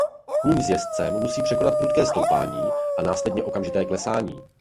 Kůň s jezdcem musí překonat prudké stoupání a následně okamžité klesání.